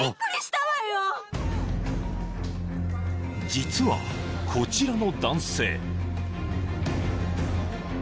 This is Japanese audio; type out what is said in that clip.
［実はこちらの男性］